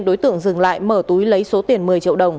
đối tượng dừng lại mở túi lấy số tiền một mươi triệu đồng